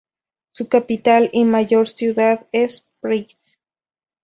Su capital y mayor ciudad es Price.